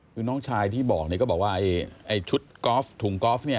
คือน้องชายที่บอกเนี่ยก็บอกว่าไอ้ชุดกอล์ฟถุงกอล์ฟเนี่ย